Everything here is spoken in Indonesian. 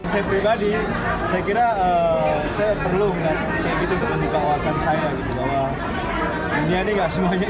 saya pribadi saya kira saya perlu dan saya gitu juga menguasai saya bahwa dunia ini tidak semuanya indah